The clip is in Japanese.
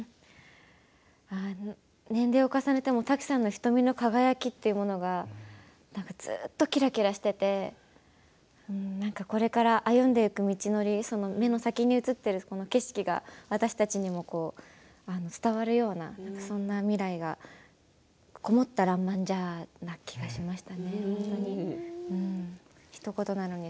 年齢を重ねてもタキさんの瞳の輝きというのはずーっとキラキラしていてこれから歩んでいく道のり目の先に映っていく景色が私たちにも伝わるようなそんな未来が籠もった、らんまんんじゃな気がしました。